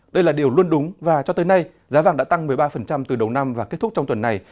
đây là điều luôn đúng và cho tới nay giá vàng đã tăng một mươi ba từ đầu năm và kết thúc trong tuần này